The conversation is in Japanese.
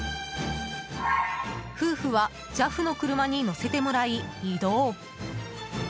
夫婦はＪＡＦの車に乗せてもらい移動。